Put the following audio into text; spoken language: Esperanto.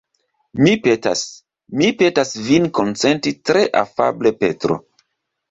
Mi petas, mi petas vin konsentis tre afable Petro.